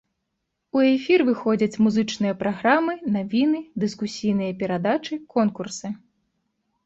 У эфір выходзяць музычныя праграмы, навіны, дыскусійныя перадачы, конкурсы.